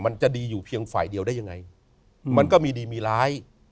มันจะดีอยู่เพียงฝ่ายเดียวได้ยังไงมันก็มีดีมีร้าย